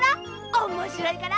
おもしろいから！